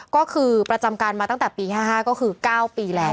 ก็คือประจำการมาตั้งแต่ปี๕๕ก็คือ๙ปีแล้ว